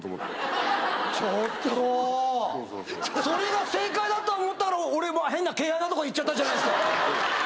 ちょっとそれが正解だと思ったから俺も変な毛穴とか言っちゃったじゃないですか！